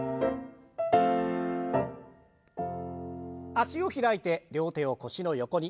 脚を開いて両手を腰の横に。